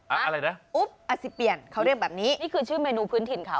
อะไรนะอุ๊บอาซิเปลี่ยนเขาเรียกแบบนี้นี่คือชื่อเมนูพื้นถิ่นเขา